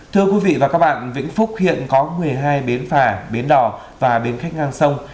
thưa quý vị và các bạn vĩnh phúc hiện có một mươi hai bến phà bến đỏ và bến khách ngang sông